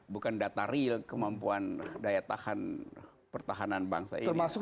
bukan data real kemampuan daya tahan pertahanan bangsa ini